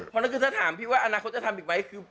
ก็เรียกถามว่าอนาคตจะทำอีกไหม